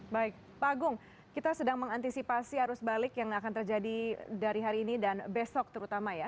baik pak agung kita sedang mengantisipasi arus balik yang akan terjadi dari hari ini dan besok terutama ya